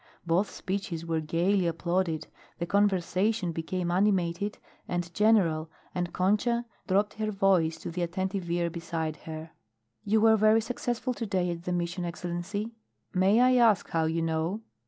Both speeches were gaily applauded, the conversation became animated and general, and Concha dropped her voice to the attentive ear beside her. "You were very successful to day at the Mission, Excellency." "May I ask how you know?"